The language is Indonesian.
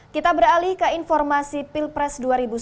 kita beralih ke informasi pilpres dua ribu sembilan belas